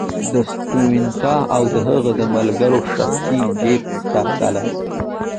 د سټیونز او د هغه د ملګرو شخصي جېب ته تلل.